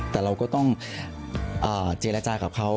แต่เราก็ต้องเจรจากับเขา